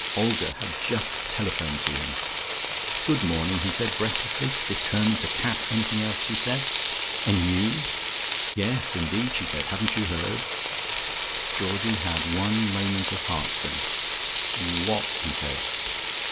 Olga had just telephoned to him.... "Good morning," he said breathlessly, determined to cap anything she said. "Any news?" "Yes, indeed," she said. "Haven't you heard?" Georgie had one moment of heart sink. "What?" he said.